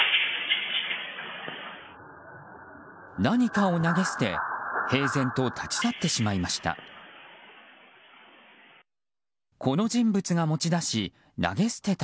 何かを投げ捨て平然と立ち去ってしまいました。